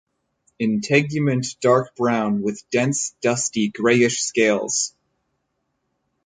Integument dark brown with dense dusty greyish scales.